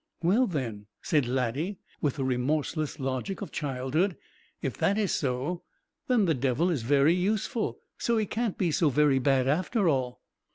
"Well, then," said Laddie, with the remorseless logic of childhood, "if that is so, then the Devil is very useful; so he can't be so very bad, after all."